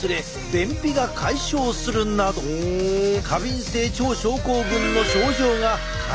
便秘が解消するなど過敏性腸症候群の症状が改善したという。